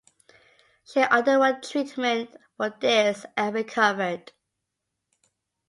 She underwent treatment for this and recovered.